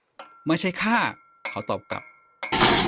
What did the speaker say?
ไม่ใช่ข้า เขาตอบกลับ